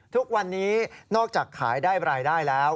ทุกวันนี้นอกจากขายได้รายได้แล้ว